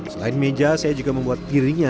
selain meja saya juga membuat piringnya